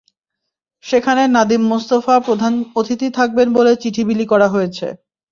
সেখানে নাদিম মোস্তফা প্রধান অতিথি থাকবেন বলে চিঠি বিলি করা হয়েছে।